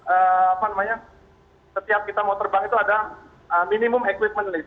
apa namanya setiap kita mau terbang itu ada minimum equipment list